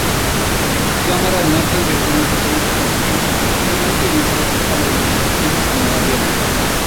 Cámaras, notas, y algunos otros dispositivos suelen utilizarse para las observaciones a mar abierto.